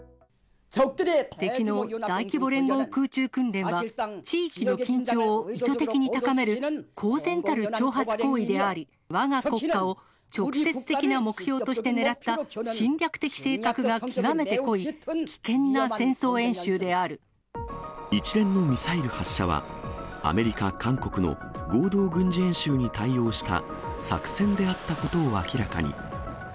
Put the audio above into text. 敵の大規模連合空中訓練は、地域の緊張を意図的に高める公然たる挑発行為であり、わが国家を直接的な目標として狙った侵略的性格が極めて濃い危険一連のミサイル発射は、アメリカ、韓国の合同軍事演習に対応した作戦であったことを明らかに。